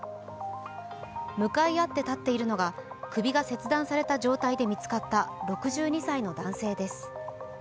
向かい合って立っているのが首が切断された状態で見つかった６２歳の男性です。